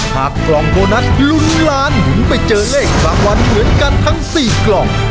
กล่องโบนัสลุ้นล้านถึงไปเจอเลขรางวัลเหมือนกันทั้ง๔กล่อง